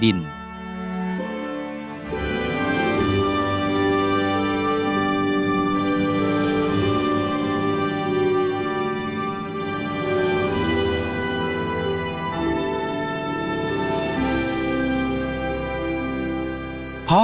ด้วยที่จะเต็มพอสัญญาณภาคการแห่งให้ชายภาคเห็น